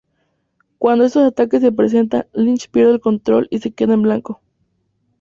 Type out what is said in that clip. Cuando estos ataques se presentan, Lynch pierde el control y se queda en blanco.